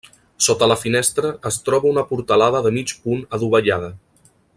Sota la finestra es troba una portalada de mig punt adovellada.